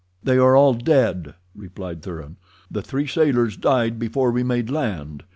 "They are all dead," replied Thuran. "The three sailors died before we made land.